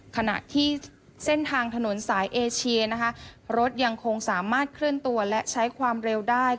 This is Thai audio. ขณะที่เส้นทางถนนสายเอเชียนะคะรถยังคงสามารถเคลื่อนตัวและใช้ความเร็วได้